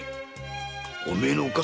おめえのおっか